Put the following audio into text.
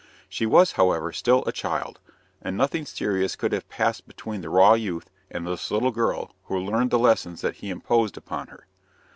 She was, however, still a child, and nothing serious could have passed between the raw youth and this little girl who learned the lessons that he imposed upon her.